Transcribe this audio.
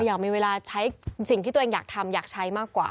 อยากมีเวลาใช้สิ่งที่ตัวเองอยากทำอยากใช้มากกว่า